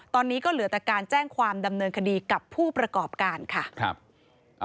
ตอนนี้ก็เหลือแต่การแจ้งความดำเนินคดีกับผู้ประกอบการค่ะ